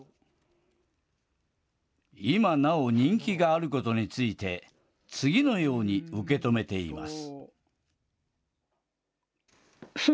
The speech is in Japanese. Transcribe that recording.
今なお人気があることについて、次のように受け止めています。